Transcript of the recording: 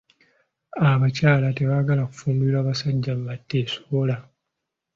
Abakyala tebaagala kufumbirwa basajja bateesobola .